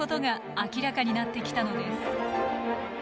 明らかになってきたのです。